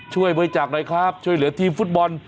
ช่วยบริจาคหน่อยครับช่วยเหลือทีมฟุตบอล